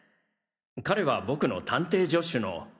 彼は僕の探偵助手の。